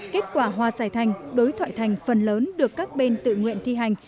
kết quả hòa giải thành đối thoại thành phần lớn được các bên tự nguyện thi hành